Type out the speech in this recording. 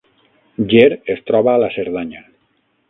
Ger es troba a la Cerdanya